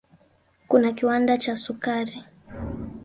Kuna kiwanda cha sukari.